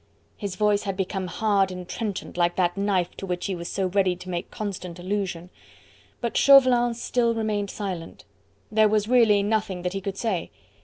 His voice had become hard and trenchant like that knife to which he was so ready to make constant allusion. But Chauvelin still remained silent. There was really nothing that he could say.